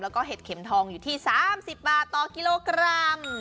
แล้วก็เห็ดเข็มทองอยู่ที่๓๐บาทต่อกิโลกรัม